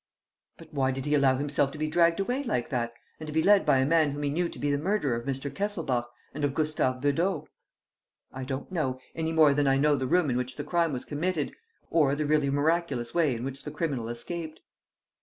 "But why did he allow himself to be dragged away like that and to be led by a man whom he knew to be the murderer of Mr. Kesselbach and of Gustave Beudot?" "I don't know, any more than I know the room in which the crime was committed, or the really miraculous way in which the criminal escaped."